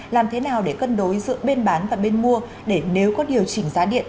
làm thế nào để cân đối giữa bên bán và bên mua để nếu có điều chỉnh giá điện